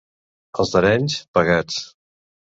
Els d'Areny, pegats.